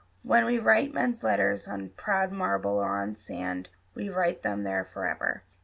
When we write Men's letters on proud marble or on sand, We write them there forever.